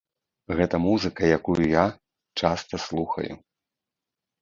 Гэта музыка, якую я часта слухаю.